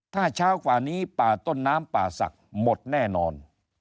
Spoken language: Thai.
ถ้าเช้ากว่านี้ป่าต้นน้ำป่าศักดิ์หมดแน่นอน